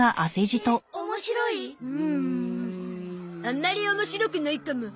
あんまり面白くないかも。